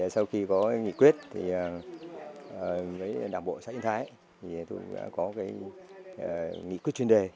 sau khi có nghị quyết thì đảng bộ xã yên thái thì tôi đã có cái nghị quyết chuyên đề